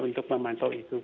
untuk memantau itu